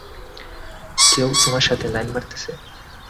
কেউ তোর সাথে লাইন মারতেছে?